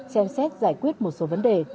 xem xét giải quyết một số vấn đề